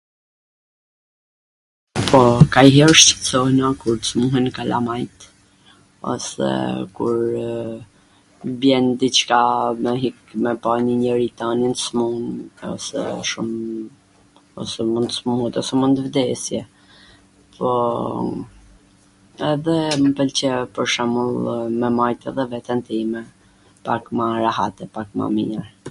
po, kajer shqetsohena kur smuren kalamajt ose kur bjen diCka, me ik me pa njw njeri tanin smun shum ose mun tw smuret ose mun t vdesi , po edhe m pwlqe pwr shwmbull me majt edhe veten time pak ma rehat edhe pak ma mir